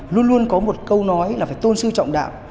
luôn luôn có một câu nói là phải tôn sư trọng đạo